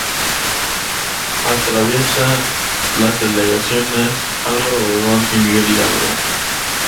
Atraviesa las delegaciones Álvaro Obregón y Miguel Hidalgo.